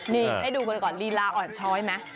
นี่ให้ดูบริก่อนลีลาอ่อนช้อยไหม